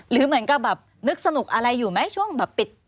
หรือเหมือนกับแบบนึกสนุกอะไรอยู่ไหมช่วงแบบปิด